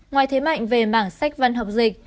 ngoài thế mạnh về mảng sách văn học dịch